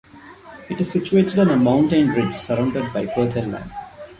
It is situated on a mountain ridge, surrounded by fertile land.